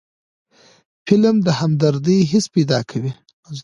فلم د همدردۍ حس پیدا کوي